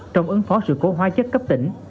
trong ứng phó sự cố hóa chất cấp tỉnh